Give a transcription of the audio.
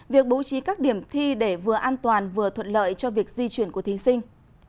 việc bố trí các điểm thi để vừa an toàn vừa thuận lợi cho việc di chuyển của thí sinh